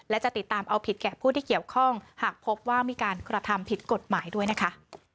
และจะติดตามเอาผิดแก่ผู้ที่เกี่ยวข้องหากพบว่ามีการกระทำผิดกฎหมายด้วยนะคะ